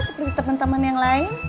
seperti teman teman yang lain